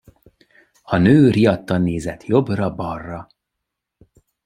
A nő riadtan nézett jobbra-balra.